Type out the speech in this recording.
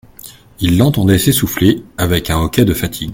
Il l'entendait s'essouffler, avec un hoquet de fatigue.